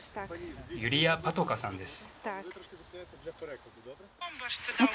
ユリア・パトカさんです。